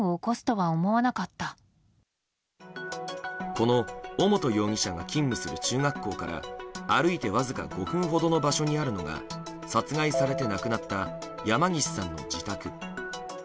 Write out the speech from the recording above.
この尾本容疑者が勤務する中学校から歩いてわずか５分ほどの場所にあるのが殺害されて亡くなった山岸さんの自宅。